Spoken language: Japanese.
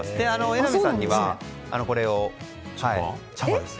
榎並さんには、茶葉です。